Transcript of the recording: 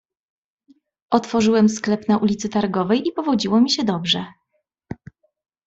"Otworzyłem sklep na ulicy Targowej i powodziło mi się dobrze."